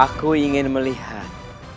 aku ingin melihat